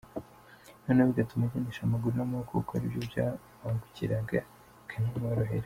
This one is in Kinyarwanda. Noneho bigatuma agendesha amaguru n’amaboko kuko aribyo byamubangukiraga bikanamworohera.